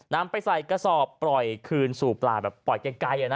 นำไปใส่กระสอบปล่อยคืนสู่ปลาแบบปล่อยไกล